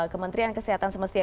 kementerian kesehatan semestinya